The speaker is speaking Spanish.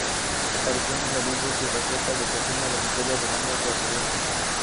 Su aparición en los libros y recetas de cocina del Imperio romano es recurrente.